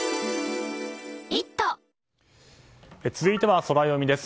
続いては、ソラよみです。